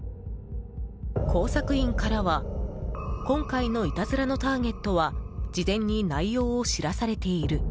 工作員からは今回のいたずらのターゲットは事前に内容を知らされている。